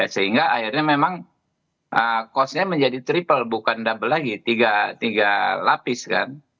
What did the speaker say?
sehingga akhirnya memang costnya menjadi triple bukan double lagi tiga lapis kan